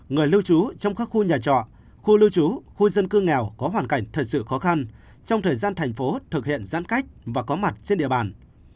người lưu trú trong các khu nhà trọ khu lưu trú khu dân cư nghèo có hoàn cảnh thật sự khó khăn trong thời gian thành phố thực hiện giãn cách và có mặt trên địa bàn